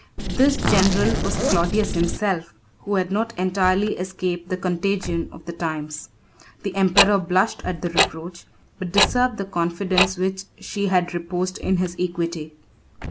This general was Claudius himself, who had not entirely escaped the contagion of the times. The emperor blushed at the reproach, but deserved the confidence which she had reposed in his equity.